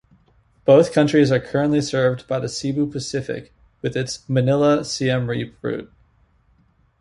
Both countries are currently served by Cebu Pacific with its Manila-Siem Reap route.